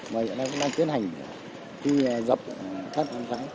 và hiện nay cũng đang tiến hành khi dập các đơn vị cháy